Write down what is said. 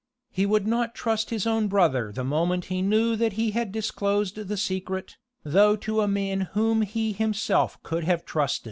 He would not trust his own brother the moment he knew that he had disclosed the secret, though to a man whom he himself could have trusted.